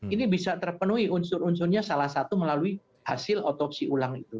ini bisa terpenuhi unsur unsurnya salah satu melalui hasil otopsi ulang itu